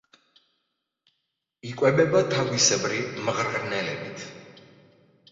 იკვებება თაგვისებრი მღრღნელებით.